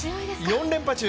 ４連覇中。